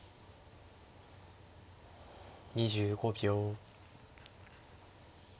２５秒。